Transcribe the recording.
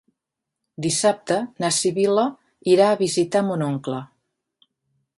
Dissabte na Sibil·la irà a visitar mon oncle.